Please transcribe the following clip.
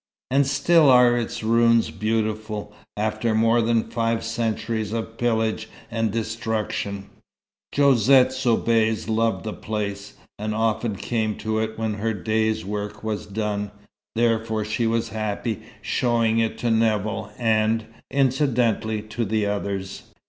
And still are its ruins beautiful, after more than five centuries of pillage and destruction. Josette Soubise loved the place, and often came to it when her day's work was done, therefore she was happy showing it to Nevill and incidentally to the others.